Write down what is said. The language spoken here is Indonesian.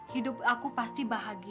hidup aku pasti bahagia